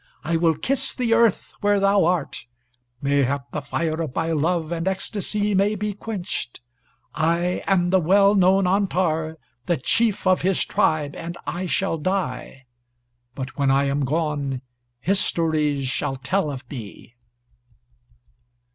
I will kiss the earth where thou art; mayhap the fire of my love and ecstasy may be quenched.... I am the well known Antar, the chief of his tribe, and I shall die; but when I am gone, histories shall tell of me_.